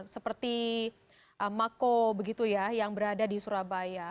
seperti mako begitu ya yang berada di surabaya